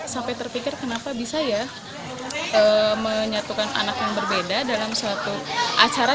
sampai terpikir kenapa bisa ya menyatukan anak yang berbeda dalam suatu acara